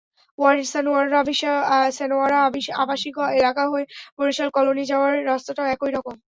ওয়ার্ডের সানোয়ারা আবাসিক এলাকা হয়ে বরিশাল কলোনি যাওয়ার রাস্তাটাও একই রকম।